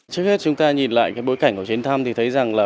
trước hết chúng ta nhìn lại cái bối cảnh của chuyến thăm thì thấy rằng là